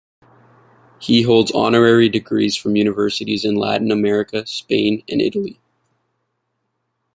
He holds honorary degrees from universities in Latin America, Spain, and Italy.